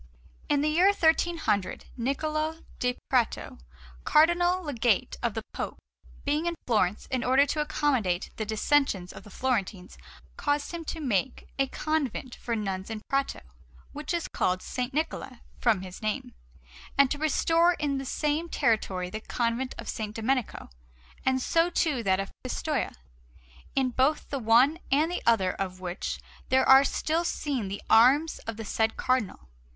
In the year 1300, Niccola da Prato, Cardinal Legate of the Pope, being in Florence in order to accommodate the dissensions of the Florentines, caused him to make a convent for nuns in Prato, which is called S. Niccola from his name, and to restore in the same territory the Convent of S. Domenico, and so too that of Pistoia; in both the one and the other of which there are still seen the arms of the said Cardinal.